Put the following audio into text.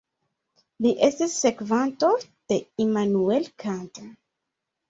Li estis sekvanto de Immanuel Kant.